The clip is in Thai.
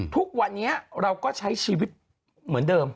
ทุกวันนี้เราก็ใช้ชีวิตเหมือนเดิม